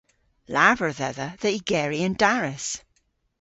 Lavar dhedha dhe ygeri an daras.